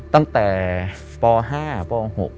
ตั้งแต่ป๕ป๖